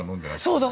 そう。